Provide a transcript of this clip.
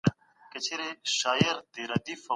ولي رسمي سفر په نړیواله کچه ارزښت لري؟